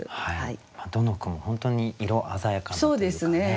どの句も本当に色鮮やかなというかね